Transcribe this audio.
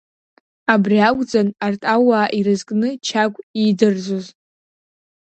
Абри акәӡан арҭ ауаа ирызкны Чагә иидырӡоз.